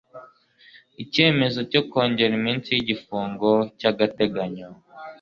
Icyemezo cyo kongera iminsi y'igifungo cy'agateganyo